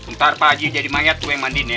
ntar pak haji jadi mayat gue yang mandiin ya